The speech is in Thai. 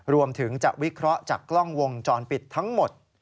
รวมถึงจะวิเคราะห์จากกล้องวงจรปิดทั้งหมด